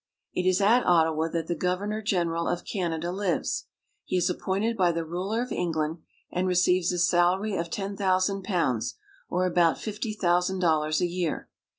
It is at Ottawa that the governor general of Canada lives. He is appointed by the ruler of England, and re ceives a salary of ten thousand pounds, or about fifty thousand dollars, a year.